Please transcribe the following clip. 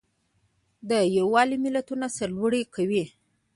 یووالی ملتونه سرلوړي کوي.